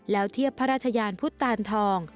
แล้วเทียบพระราชยานพุทธตานทอง